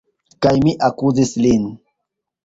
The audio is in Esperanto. Kaj mi akuzis lin!